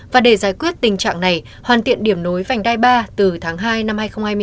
và để giải quyết tình trạng này hoàn thiện điểm nối vành đai ba từ tháng hai năm hai nghìn hai mươi ba